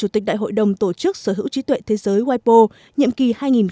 tịch đại hội đồng tổ chức sở hữu trí tuệ thế giới wipo nhiệm kỳ hai nghìn một mươi tám hai nghìn một mươi chín